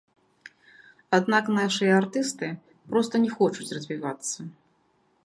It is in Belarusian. Аднак нашыя артысты проста не хочуць развівацца.